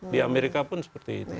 di amerika pun seperti ini